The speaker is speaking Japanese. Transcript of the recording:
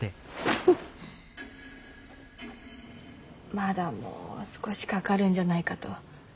まだもう少しかかるんじゃないかと。